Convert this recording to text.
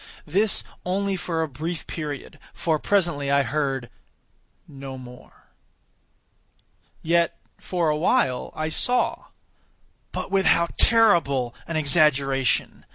This only for a brief period, for presently I heard no more. Yet, for a while, I saw—but with how terrible an exaggeration!